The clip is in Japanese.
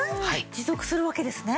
持続するわけですね？